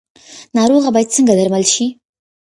ناروغه باید څنګه درمل شي؟